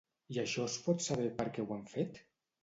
I això es pot saber per què ho han fet?